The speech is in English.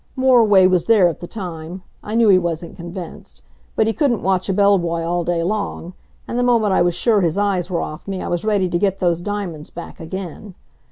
Moriway was there at the time. I knew he wasn't convinced. But he couldn't watch a bell boy all day long, and the moment I was sure his eyes were off me I was ready to get those diamonds back again.